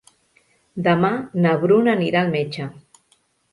Demà na Bruna anirà al metge.